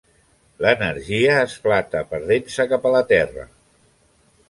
L'energia esclata perdent-se cap a la Terra.